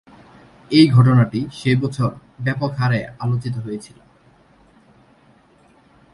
এই ঘটনাটি সে বছর ব্যাপক হারে আলোচিত হয়েছিলো।